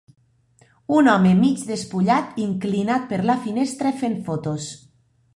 Un home mig despullat inclinat per la finestra fent fotos.